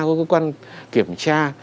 có cơ quan kiểm tra